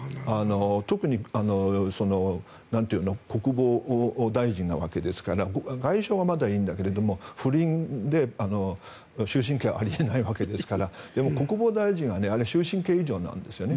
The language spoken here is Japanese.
特に国防大臣なわけですから外相はまだいいんだけど不倫で終身刑はあり得ないわけですからでも、国防大臣は終身刑以上なんですよね。